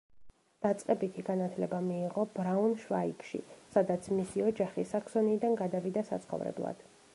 დაწყებითი განათლება მიიღო ბრაუნშვაიგში, სადაც მისი ოჯახი საქსონიიდან გადავიდა საცხოვრებლად.